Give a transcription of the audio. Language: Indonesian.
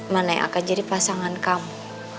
mana yang akan jadi pasangan kamu